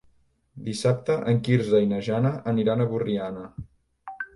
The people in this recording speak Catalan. Dissabte en Quirze i na Jana aniran a Borriana.